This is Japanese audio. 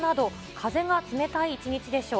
風が冷たい一日でしょう。